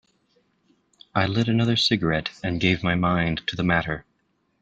I lit another cigarette and gave my mind to the matter.